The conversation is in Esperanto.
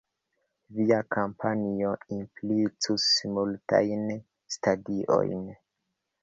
Via kampanjo implicus multajn stadiojn.